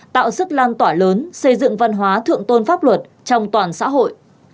tạo sức lan tỏa lớn xây dựng văn hóa thượng tôn pháp luật trong toàn xã hội